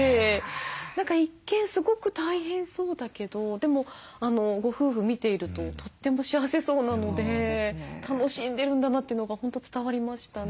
何か一見すごく大変そうだけどでもご夫婦見ているととっても幸せそうなので楽しんでるんだなというのが本当伝わりましたね。